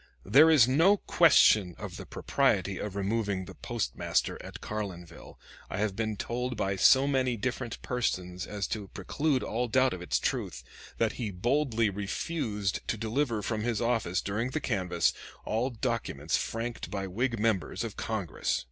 "There is no question of the propriety of removing the postmaster at Carlinville, I have been told by so many different persons as to preclude all doubt of its truth, that he boldly refused to deliver from his office during the canvass all documents franked by Whig members of Congress."